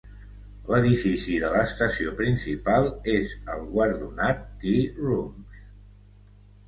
L'edifici de l'estació principal és el guardonat Tea Rooms.